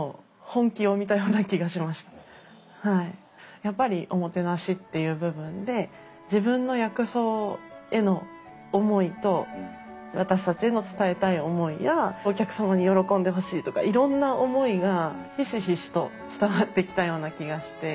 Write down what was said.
やっぱりおもてなしっていう部分で自分の薬草への思いと私たちへの伝えたい思いやお客様に喜んでほしいとかいろんな思いがひしひしと伝わってきたような気がして。